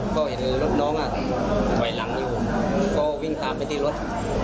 ก็เห็นรถน้องถอยหลังอยู่ก็วิ่งตามไปที่รถ